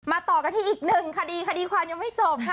ต่อกันที่อีกหนึ่งคดีคดีความยังไม่จบค่ะ